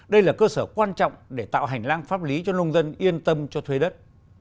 đây là cơ sở quan trọng để tạo hành lang pháp lý cho nông dân yên tâm cho thuê đất